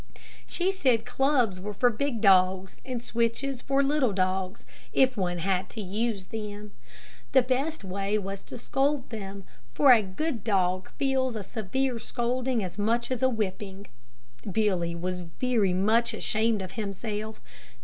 She said clubs were for big dogs and switches for little dogs, if one had to use them. The best way was to scold them, for a good dog feels a severe scolding as much as a whipping. Billy was very much ashamed of himself.